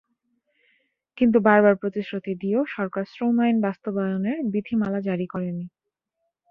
কিন্তু বারবার প্রতিশ্রুতি দিয়েও সরকার শ্রম আইন বাস্তবায়নের বিধিমালা জারি করেনি।